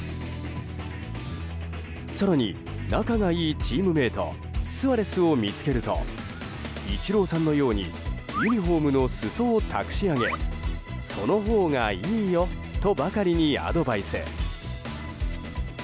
更に、仲がいいチームメートスアレスを見つけるとイチローさんのようにユニホームの裾をたくし上げそのほうがいいよとばかりにアドバイス。